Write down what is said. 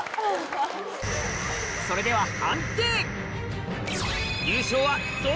それでは判定！